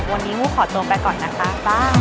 วันนี้งูขอตัวไปก่อนนะคะ